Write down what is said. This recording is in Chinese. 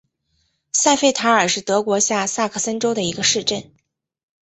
塞费塔尔是德国下萨克森州的一个市镇。